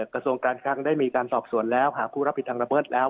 กระทรวงการคลังได้มีการสอบสวนแล้วหาผู้รับผิดทางระเบิดแล้ว